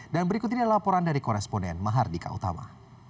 dan berikut ini laporan dari koresponden mahardika utama